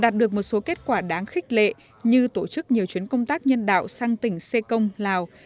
đạt được một số kết quả đáng khích lệ như tổ chức nhiều chuyến công tác nhân đạo sang tỉnh sê công lào